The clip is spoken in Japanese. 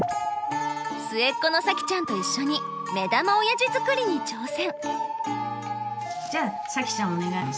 末っ子の早季ちゃんと一緒に目玉おやじ作りに挑戦。